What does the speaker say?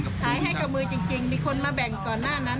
ขายให้กับมือจริงมีคนมาแบ่งก่อนหน้านั้น